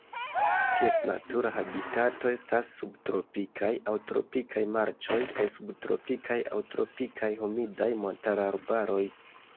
Ties natura habitato estas subtropikaj aŭ tropikaj marĉoj kaj subtropikaj aŭ tropikaj humidaj montararbaroj.